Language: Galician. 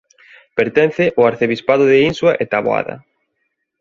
Pertence ao arciprestado de Insua e Taboada.